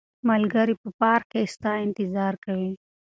ملګري په پارک کې ستا انتظار کوي.